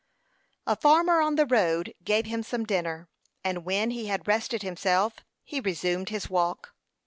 A farmer on the road gave him some dinner; and when he had rested himself, he resumed his walk.